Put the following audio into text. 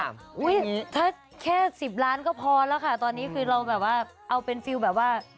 ถ้าแค่๑๐ล้านก็พอแล้วค่ะตอนนี้คือเราแบบว่าเอาเป็นฟิลแบบว่า